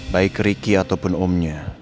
baik ricky ataupun omnya